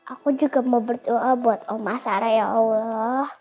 aku juga mau berdoa buat allah sarah ya allah